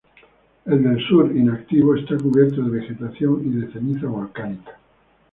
El del sur, inactivo, está cubierto de vegetación y de ceniza volcánica.